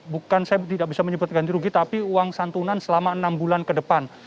bukan saya tidak bisa menyebut ganti rugi tapi uang santunan selama enam bulan ke depan